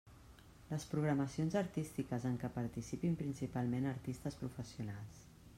Les programacions artístiques en què participin principalment artistes professionals.